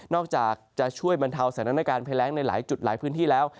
อกจากจะช่วยบรรเทาสถานการณ์ภัยแรงในหลายจุดหลายพื้นที่แล้ว